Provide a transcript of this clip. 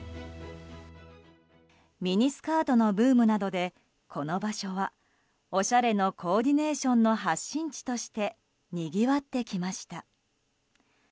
ミニスカートのブームなどでこの場所はおしゃれのコーディネーションの発信地としてにぎわってきました。